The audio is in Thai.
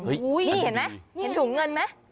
เห็นไหมถุงเงินไหม